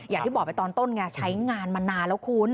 อย่างที่บอกไปตอนต้นไงใช้งานมานานแล้วคุณ